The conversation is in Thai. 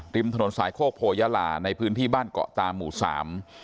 ริมถนนสายกล้องภูยลาในพื้นที่บ้านเกาะตามติดตาม